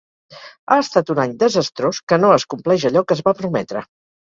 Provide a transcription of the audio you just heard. Ha estat un any desastrós que no es compleix allò que es va prometre.